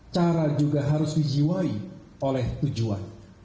cara juga harus dijiwai oleh tujuan